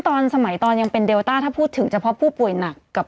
เพื่อไม่ให้เชื้อมันกระจายหรือว่าขยายตัวเพิ่มมากขึ้น